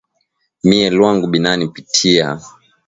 Miye lwangu binani pitia